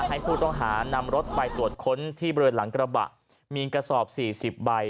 ให้ผู้ต้องหานำรถไปตรวจค้นที่บริเวณหลังกระบะมีกระสอบสี่สิบใบ